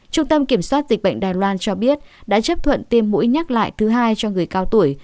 trung tâm kiểm soát dịch bệnh đài loan cho biết đã chấp thuận tiêm mũi nhắc lại thứ hai cho người cao tuổi